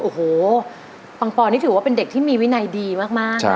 โอ้โหปังปอนนี่ถือว่าเป็นเด็กที่มีวินัยดีมาก